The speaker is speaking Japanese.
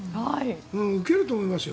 受けると思いますよ。